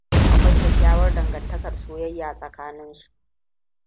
Akwai kyakkyawar dangantakar soyayya tsakanin su.